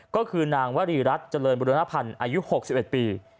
ก็คือนางวรีรัฐเจริญบุรณพันธ์อายุ๖๑ปี